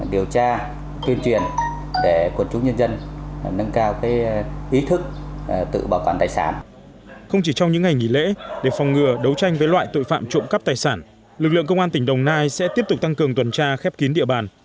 để phòng ngừa đối với loại tội phạm trộm cắp tài sản lực lượng công an tỉnh đồng nai sẽ tiếp tục tăng cường tuần tra khép kín địa bàn